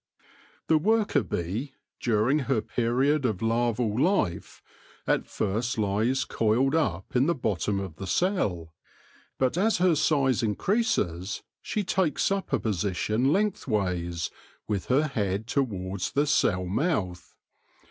The worker bee, during her period of larval life, at first lies coiled up at the bottom of the cell, but as her size increases she takes up a position length ways, with her head towards the cell mouth.